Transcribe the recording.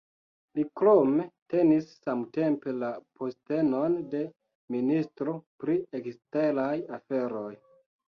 Li krome tenis samtempe la postenon de Ministro pri eksteraj aferoj.